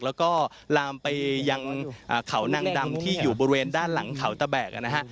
แล้วก็ลามไปยังเขานางดำที่อยู่บริเวณด้านหลังเขาตะแบกนะฮะ